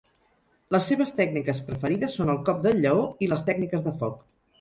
Les seves tècniques preferides són el cop del lleó i les tècniques de foc.